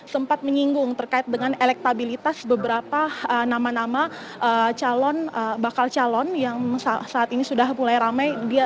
sempat menyinggung terkait dengan elektabilitas beberapa nama nama bakal calon yang saat ini sudah mulai ramai